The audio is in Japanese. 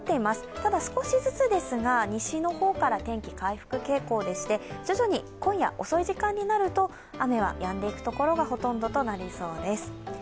ただ、少しずつですが、西の方から天気、回復傾向でして、徐々に今夜遅い時間になると雨はやんでいく所がほとんどとなりそうです。